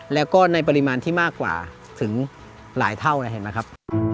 แล้วก็ในปริมาณที่มากกว่าถึงหลายเท่าเห็นไหมครับ